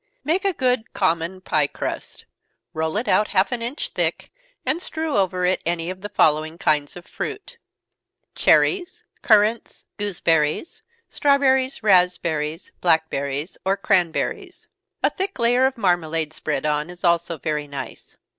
_ Make good common pie crust roll it out half an inch thick, and strew over it any one of the following kinds of fruit: Cherries, currants, gooseberries, strawberries, raspberries, blackberries, or cranberries. A thick layer of marmalade spread on, is also very nice.